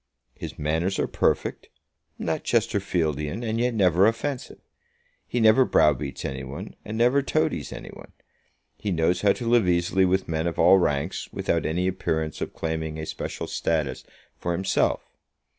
His manners are perfect; not Chesterfieldian, and yet never offensive. He never browbeats any one, and never toadies any one. He knows how to live easily with men of all ranks, without any appearance of claiming a special status for himself.